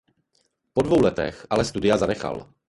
Po dvou letech ale studia zanechal.